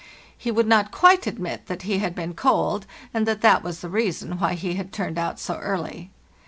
He would not quite admit that he had been cold, and that that was the reason why he had turned out so early.